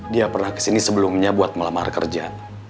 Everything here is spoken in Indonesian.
dia pernah kesini sebelumnya buat melamar kerja